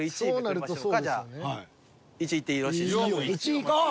１位いってよろしいですか？